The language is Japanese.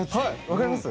分かります？